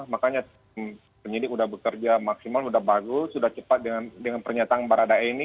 makanya penyidik sudah bekerja maksimal sudah bagus sudah cepat dengan pernyataan barada e ini